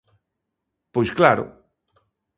Pois claro.